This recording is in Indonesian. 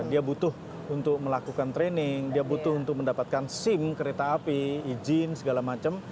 jadi kita harus berusaha untuk melakukan training dia butuh untuk mendapatkan sim kereta api izin segala macam